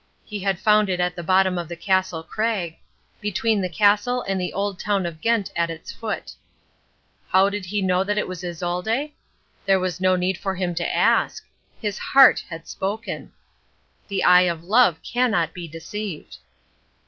He had found it at the bottom of the castle crag, between the castle and the old town of Ghent at its foot. How did he know that it was Isolde? There was no need for him to ask. His heart had spoken. The eye of love cannot be deceived.